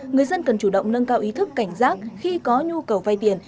người dân cần chủ động nâng cao ý thức cảnh giác khi có nhu cầu vay tiền